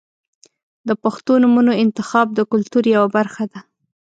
• د پښتو نومونو انتخاب د کلتور یوه برخه ده.